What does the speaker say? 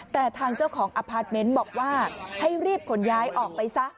แต่ทางเจ้าของอพาร์ทเมนต์บอกว่าให้รีบขนย้ายออกไปซะ